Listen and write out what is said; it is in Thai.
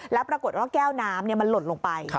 แล้วปรากฏว่าแก้วน้ำมันหล่นลงไป